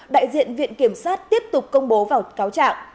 đại diện viện kiểm sát tiếp tục công bố vào cáo trạng